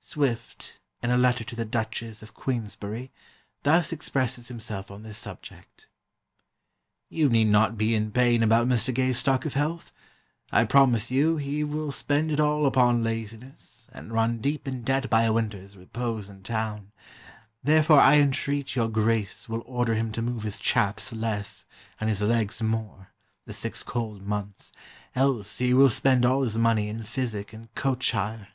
Swift, in a letter to the Duchess of Queensberry, thus expresses himself on this subject: 'You need not be in pain about Mr. Gay's stock of health; I promise you he will spend it all upon laziness, and run deep in debt by a winter's repose in town; therefore I entreat your Grace will order him to move his chaps less, and his legs more, the six cold months, else he will spend all his money in physic and coach hire.